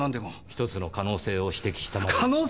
一つの可能性を指摘しただけです。